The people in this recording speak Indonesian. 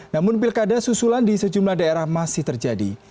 namun pilkada susulan di sejumlah daerah masih terjadi